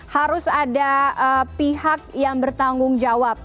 harus ada pihak yang bertanggung jawab